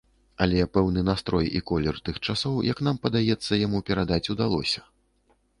Але пэўны настрой і колер тых часоў, як нам падаецца, яму перадаць удалося.